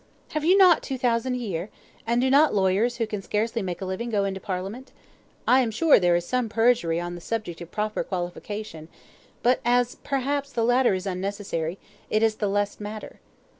"Have you not two thousand a year? and do not lawyers who can scarcely make a living go into Parliament? I am sure there is some perjury on the subject of property qualification but as, perhaps, the latter is unnecessary, it is the less matter."